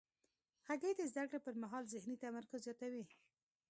هګۍ د زده کړې پر مهال ذهني تمرکز زیاتوي.